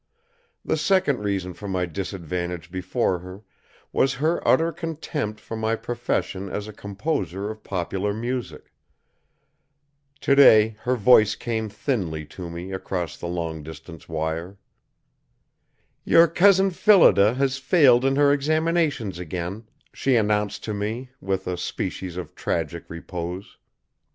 The second reason for my disadvantage before her, was her utter contempt for my profession as a composer of popular music. Today her voice came thinly to me across the long distance wire. "Your Cousin Phillida has failed in her examinations again," she announced to me, with a species of tragic repose.